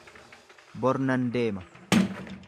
Bor nan deema.